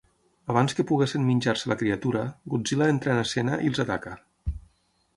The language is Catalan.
Abans que poguessin menjar-se la criatura, Godzilla entra en escena i els ataca.